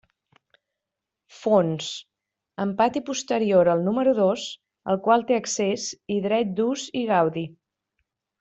Fons: amb pati posterior al número dos al qual té accés i dret d'ús i gaudi.